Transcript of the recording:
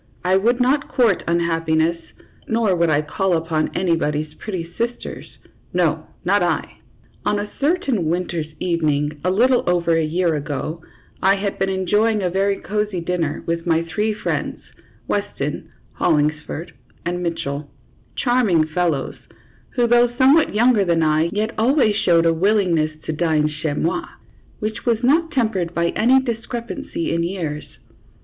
I would not court unhappiness, nor would I call upon anybody's pretty sisters no, not I. On a certain winter's evening, a little over a year ago, I had been enjoying a very cozy dinner with my three friends, Weston, Hollingsford, and Mitchell, charming fellows, who, though somewhat younger than I, yet always showed a willingness to dine chez mot, which was not tempered by any discrepancy in years.